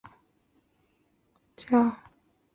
也是诺瓦拉教区荣休主教。